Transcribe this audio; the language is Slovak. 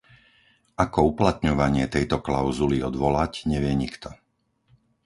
Ako uplatňovanie tejto klauzuly odvolať, nevie nikto.